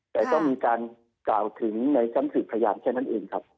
แต่ก็มีการกล่าวถึงในชั้นสืบพยานแค่นั้นเองครับ